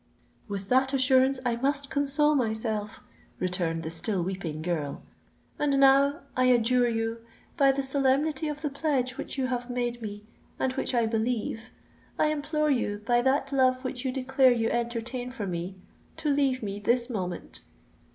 "With that assurance I must console myself," returned the still weeping girl. "And now, I adjure you—by the solemnity of the pledge which you have made me, and which I believe—I implore, you, by that love which you declare you entertain for me,—to leave me this moment!"